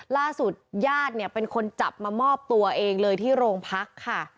ล่าสุดยาดเป็นคนจับมามอบตัวเองเลยที่โรงพัก